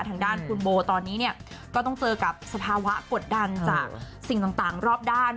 ทางด้านคุณโบตอนนี้เนี่ยก็ต้องเจอกับสภาวะกดดันจากสิ่งต่างรอบด้าน